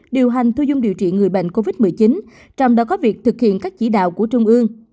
điều hành thu dung điều trị người bệnh covid một mươi chín trong đó có việc thực hiện các chỉ đạo của trung ương